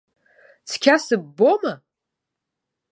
Цқьа сыббома?